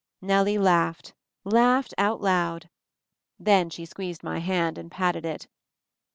L Nellie laughed — laughed out loud. Then she squeezed my hand and patted it.